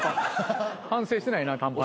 反省してないな短パン。